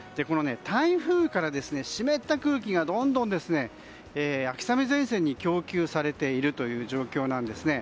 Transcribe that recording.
台風から湿った空気がどんどん秋雨前線に供給されているという状況なんですね。